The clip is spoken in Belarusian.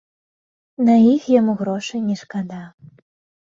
На іх яму грошай не шкада.